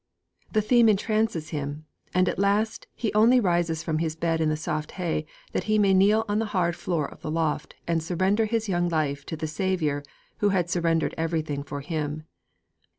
_' The theme entrances him; and at last he only rises from his bed in the soft hay that he may kneel on the hard floor of the loft and surrender his young life to the Saviour who had surrendered everything for him.